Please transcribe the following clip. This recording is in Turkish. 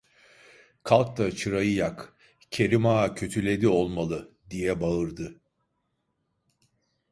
Kalk da çırayı yak… Kerim Ağa kötüledi olmalı! diye bağırdı.